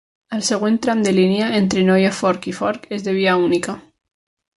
El següent tram de línia, entre Neue Forch i Forch, és de via única.